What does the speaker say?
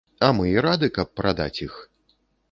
А мы і рады, каб прадаць іх.